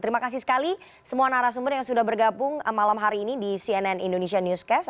terima kasih sekali semua narasumber yang sudah bergabung malam hari ini di cnn indonesia newscast